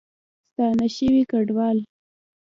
ستانه شوي کډوال